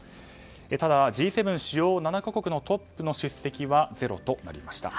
ただ、Ｇ７・主要７か国のトップの出席はゼロとなりました。